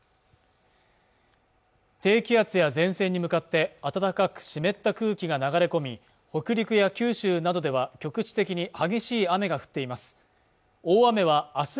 低気圧や前線に向かって暖かく湿った空気が流れ込み北陸や九州などでは局地的に激しい雨が降っています